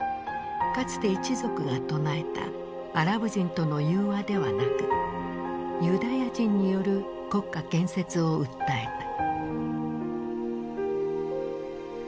かつて一族が唱えたアラブ人との融和ではなくユダヤ人による国家建設を訴えた。